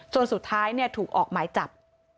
สุดท้ายถูกออกหมายจับ